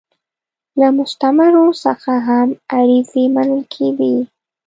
له مستعمرو څخه هم عریضې منل کېدې.